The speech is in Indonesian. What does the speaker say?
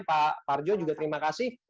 pak parjo juga terima kasih